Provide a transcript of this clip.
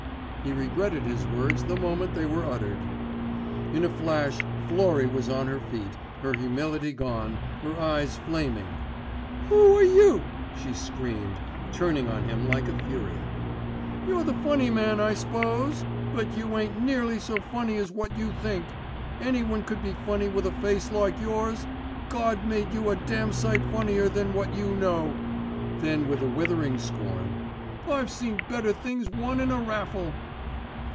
He regretted his words the moment they were uttered. In a flash Florrie was on her feet, her humility gone, her eyes flaming. "Who are you?" she screamed, turning on him like a fury. "You're the funny man I s'pose, but you ain't nearly so funny as what you think. Anyone could be funny with a face like yours. God made you a damn sight funnier than what you know." Then with withering scorn, "I've seen better things won in a raffle."